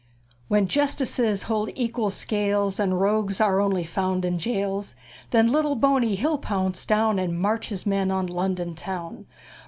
When jus' ti ces' hold e'qual scales', And rogues' are on' ly found' in jails'; Then lit'tle Bo' ney he'll pounce down', And march' his men' on Lon' don town'!